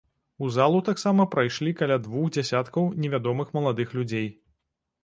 У залу таксама прайшлі каля двух дзясяткаў невядомых маладых людзей.